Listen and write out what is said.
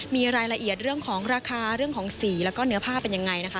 มีรายละเอียดเรื่องของราคาเรื่องของสีแล้วก็เนื้อผ้าเป็นยังไงนะคะ